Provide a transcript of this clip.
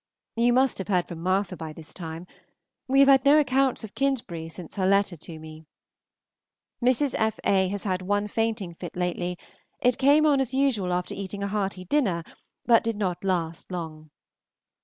You must have heard from Martha by this time. We have had no accounts of Kintbury since her letter to me. Mrs. F. A. has had one fainting fit lately; it came on as usual after eating a hearty dinner, but did not last long.